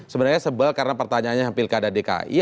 sebenarnya sebel karena pertanyaannya pilkada dki